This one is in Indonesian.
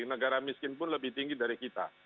negara miskin pun lebih tinggi dari kita